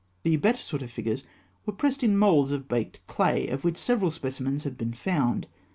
The better sort of figures were pressed in moulds of baked clay, of which several specimens have been found.